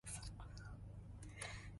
سعدت نجد إذا وافيت نجدا